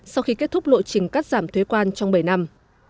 sau khi kết thúc lộ trình cắt giảm thuế quan trong bảy năm